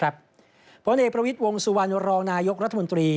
ผลเอกประวิทย์วงสุวรรณรองนายกรัฐมนตรี